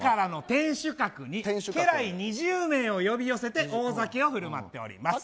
天守閣家来２０名を呼び寄せて大酒を振る舞っております